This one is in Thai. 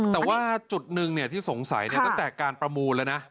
แต่ว่าจุดหนึ่งที่สงสัยตั้งแต่การประมูลแล้วนะ